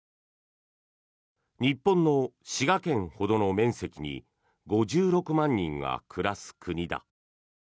日本の滋賀県ほどの面積に５６万人が暮らす国だ。